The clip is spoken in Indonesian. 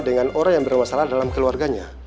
dengan orang yang bermasalah dalam keluarganya